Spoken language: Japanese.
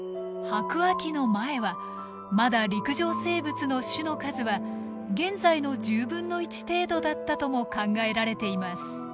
白亜紀の前はまだ陸上生物の種の数は現在の１０分の１程度だったとも考えられています。